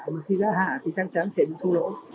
mà khi giá hạ thì chắc chắn sẽ bị thu lỗi